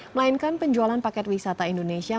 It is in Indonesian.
melainkan penjualan paket wisata indonesia